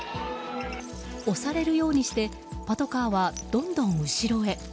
押されるようにしてパトカーはどんどん後ろへ。